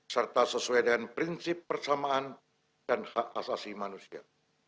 serta sesuai dengan prinsip persamaan dan hak asasi manusia